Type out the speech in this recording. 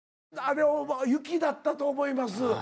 あれ雪だったと思います。